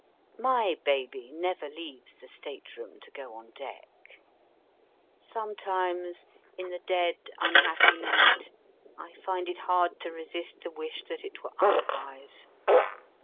My baby never leaves the state room to go on deck. Sometimes in the dead unhappy night I find it hard to resist the wish that it were otherwise.